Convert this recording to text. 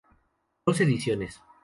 Dos ediciones.